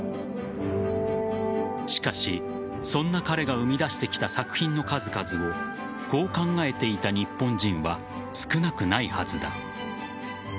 しかし、そんな彼が生み出してきた作品の数々をこう考えていた日本人は少なくないはずだ。